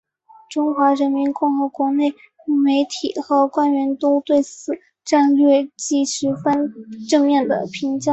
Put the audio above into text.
中华人民共和国国内媒体和官员都对此战略予以十分正面的评价。